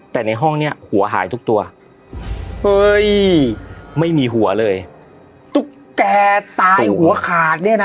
แต่ในห้องเนี้ยหัวหายทุกตัวเฮ้ยไม่มีหัวเลยตุ๊กแกตายหัวขาดเนี่ยนะ